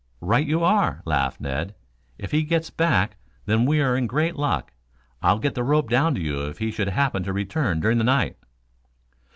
"Right you are," laughed Ned. "If he gets back then we are in great luck. I'll let the rope down to you if he should happen to return during the night."